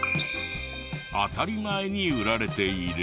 当たり前に売られている。